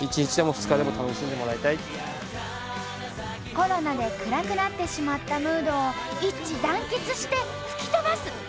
コロナで暗くなってしまったムードを一致団結して吹き飛ばす！